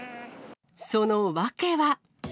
その訳は。